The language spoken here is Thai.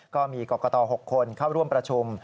ก็มีกรกต๖คนเข้าร่วมประชุม